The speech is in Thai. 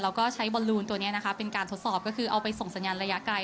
แล้วก็ใช้บอลลูนตัวนี้นะคะเป็นการทดสอบก็คือเอาไปส่งสัญญาณระยะไกล